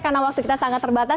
karena waktu kita sangat terbatas